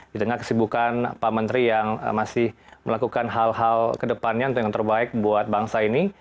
di tengah kesibukan pak menteri yang masih melakukan hal hal kedepannya untuk yang terbaik buat bangsa ini